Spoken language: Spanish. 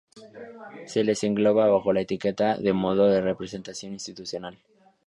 Se les engloba bajo la etiqueta de Modo de representación institucional.